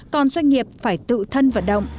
còn doanh nghiệp phải tự thân vận động